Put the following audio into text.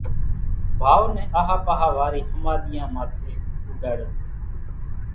ڀائو نين آۿا پاۿا واري ۿماۮيان ماٿي اُوڏاڙي سي